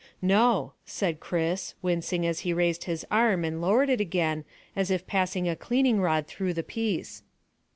"No," said Chris, wincing as he raised his arm and lowered it again as if passing a cleaning rod through the piece.